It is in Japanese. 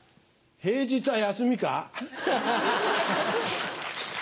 平日は休みか？